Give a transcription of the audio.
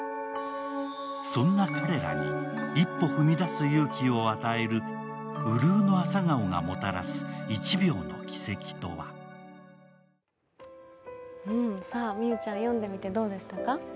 そんな彼らに一歩踏み出す勇気を与えるうるうの朝顔がもたらす一秒の奇跡とは美羽ちゃん、読んでみてどうでしたか？